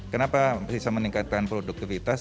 kenapa bisa meningkatkan produktivitas